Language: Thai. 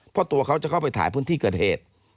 เพราะตัวเขาจะเข้าไปถ่ายพื้นที่เกิดเหตุ